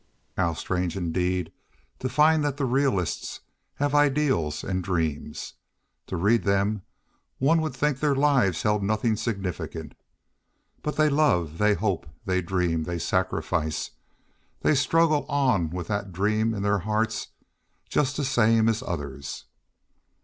How strange indeed to find that the realists have ideals and dreams! To read them one would think their lives held nothing significant. But they love, they hope, they dream, they sacrifice, they struggle on with that dream in their hearts just the same as others.